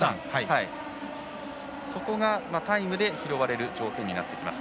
そこがタイムで拾われる条件になります。